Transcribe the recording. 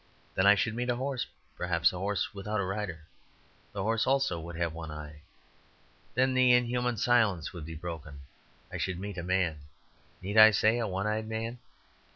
Then I should meet a horse, perhaps, a horse without a rider, the horse also would have one eye. Then the inhuman silence would be broken; I should meet a man (need I say, a one eyed man?)